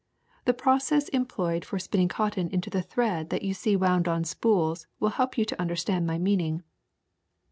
The process employed for spinning cotton into the thread that you see wound on spools will help you to understand my meaning.